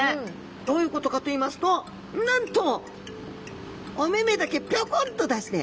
どういうことかといいますとなんとお目目だけぴょこんと出して。